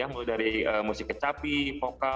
mulai dari musik kecapi foka